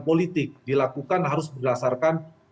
politik dilakukan harus berdasarkan